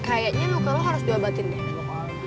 kayaknya muka lo harus diobatin deh